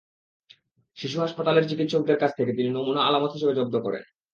শিশু হাসপাতালের চিকিৎসকদের কাছ থেকে তিনি নমুনা আলামত হিসেবে জব্দ করেন।